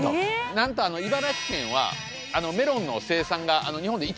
なんとあの茨城県はメロンの生産が日本で一番なんです。